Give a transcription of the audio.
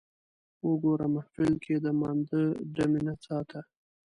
وګوره محفل کې د مانده ډمې نڅا ته